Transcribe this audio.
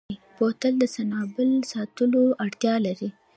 بوتل د سنبال ساتلو اړتیا لري.